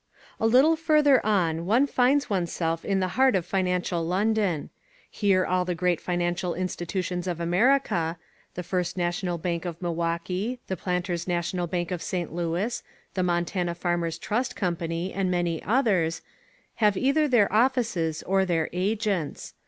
A little further on one finds oneself in the heart of financial London. Here all the great financial institutions of America The First National Bank of Milwaukee, The Planters National Bank of St. Louis, The Montana Farmers Trust Co., and many others, have either their offices or their agents.